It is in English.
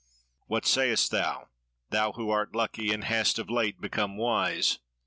What sayest thou thou who art lucky, and hast of late become wise?